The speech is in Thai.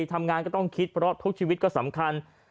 ทำงานก็ต้องคิดเพราะทุกชีวิตก็สำคัญ